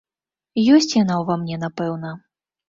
Ёсць яна ў ва мне, напэўна.